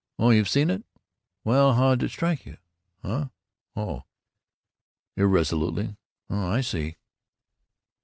Oh, you've seen it. Well, how'd it strike you?... Huh?... Oh," irresolutely, "oh, I see."